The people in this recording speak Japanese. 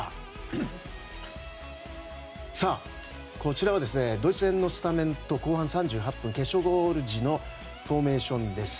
こちらはドイツ戦のスタメンと後半の決勝ゴール時のフォーメーションです。